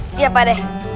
siap pak d